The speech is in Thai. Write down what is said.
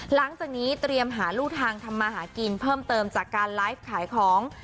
หลังจากนี้เตรียมหารู่ทางทำมาหากินเพิ่มเติมจากการไลฟ์ขายของ